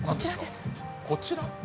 こちら？